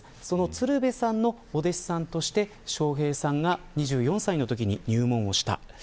鶴瓶さんのお弟子さんとして笑瓶さんが２４歳のときに入門しました。